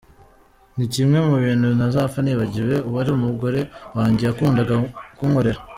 Ni kimwe mu bintu ntazapfa nibagiwe uwari umugore wanjye yakundaga kunkorera.